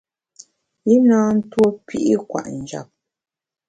I na ntuo pi’ kwet njap.